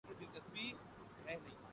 ان باتوں سے نکلیں۔